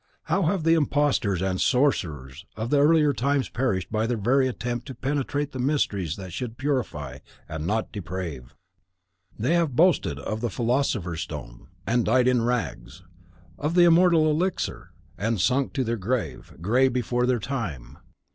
How have the imposters and sorcerers of the earlier times perished by their very attempt to penetrate the mysteries that should purify, and not deprave! They have boasted of the Philosopher's Stone, and died in rags; of the immortal elixir, and sunk to their grave, grey before their time.